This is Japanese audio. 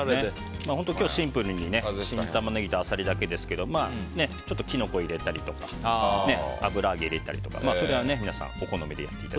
今日本当にシンプルに新タマネギとアサリだけですけどちょっとキノコを入れたり油揚げを入れたりとかそれは皆さんお好みで。